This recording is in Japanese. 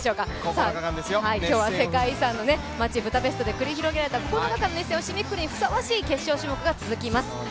今日は世界遺産の街ブダペストで繰り広げられた９日間の熱戦を締めくくるのにふさわしい種目となっています。